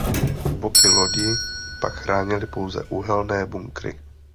Boky lodi pak chránily pouze uhelné bunkry.